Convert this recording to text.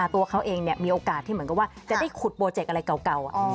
ตัวเขาเองมีโอกาสที่จะได้ขุดโปรเจกต์อะไรเก่า